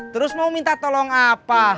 terus mau minta tolong apa